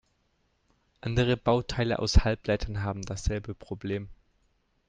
Andere Bauteile aus Halbleitern haben dasselbe Problem.